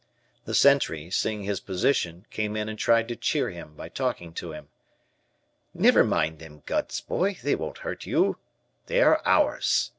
The sentry, seeing his position, came in and tried to cheer him by talking to him: "Never mind them guns, boy, they won't hurt you. They are ours.